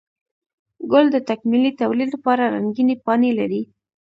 گل د تکميلي توليد لپاره رنګينې پاڼې لري